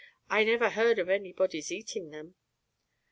"I never heard of anybody's eating them."